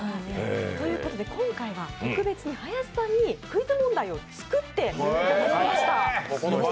今回は、特別に林さんにクイズ問題を作っていただきました。